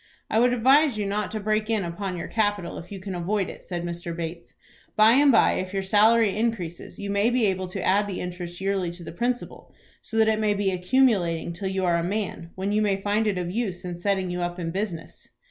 "I would advise you not to break in upon your capital if you can avoid it," said Mr. Bates. "By and by, if your salary increases, you may be able to add the interest yearly to the principal, so that it may be accumulating till you are a man, when you may find it of use in setting you up in business."